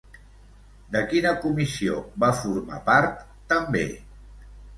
De quina comissió va formar part també?